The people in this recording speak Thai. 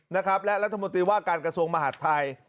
นะครับและรัฐมนตรีว่าการกระทรวงมหาดไทย